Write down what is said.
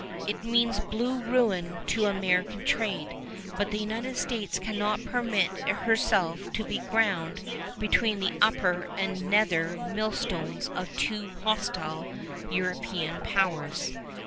It means blue ruin to American trade, but the United States cannot permit herself to be ground between the upper and nether millstones of two hostile European powers.